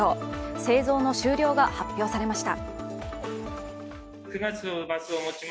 製造の終了が発表されました。